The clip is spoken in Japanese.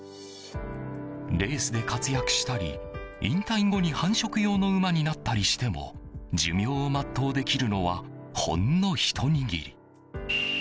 レースで活躍したり、引退後に繁殖用の馬になったりしても寿命を全うできるのはほんのひと握り。